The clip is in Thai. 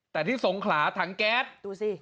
แต่ที่สงขลาถังแก๊สดูสิ